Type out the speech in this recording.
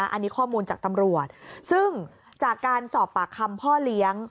อันนี้ข้อมูลจากตำรวจซึ่งจากการสอบปากคำพ่อเลี้ยง